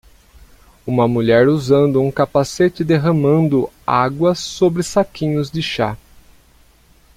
Uma mulher usando um capacete derramando água sobre saquinhos de chá.